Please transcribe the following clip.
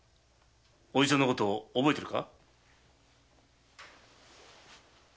おじちゃんのこと覚えてるか？